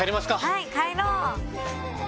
はい帰ろう。